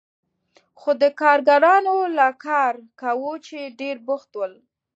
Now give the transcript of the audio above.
خو کارګرانو لا کار کاوه چې ډېر بوخت ول.